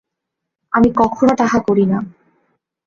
আমি কখনও তাহা করি না।